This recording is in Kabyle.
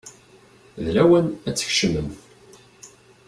D lawan ad tkecmemt.